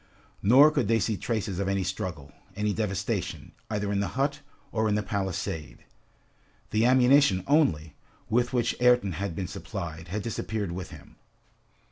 Nor could they see traces of any struggle, any devastation, either in the hut, or in the palisade. The ammunition only, with which Ayrton had been supplied, had disappeared with him.